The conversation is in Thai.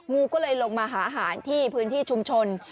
งูก็เลยลงมาหาอาหารที่พื้นที่ชุมชน